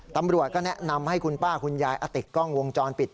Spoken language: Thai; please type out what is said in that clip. ตำรวจก็แนะนำให้คุณป้าคุณยายติดกล้องวงจรปิด